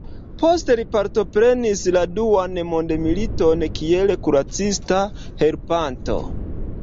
Poste li partoprenis la duan mondmiliton kiel kuracista helpanto.